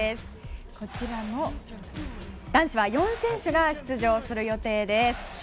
男子は４選手が出場する予定です。